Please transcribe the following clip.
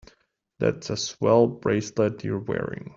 That's a swell bracelet you're wearing.